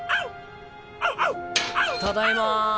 ただいま。